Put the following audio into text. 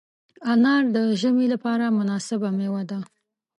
انار د ژمي لپاره مناسبه مېوه ده.